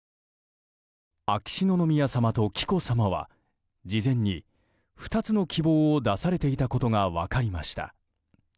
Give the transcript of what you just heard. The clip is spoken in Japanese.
秋篠宮さまと紀子さまは事前に２つの希望を出されていたことが分かりました。